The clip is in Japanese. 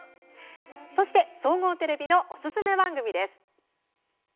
そして総合テレビのおすすめ番組です。